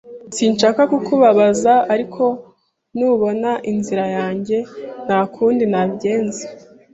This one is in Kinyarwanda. Sinshaka kukubabaza, ariko nubona inzira yanjye, nta kundi nabigenza